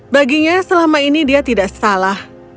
baginya selama ini dia tidak salah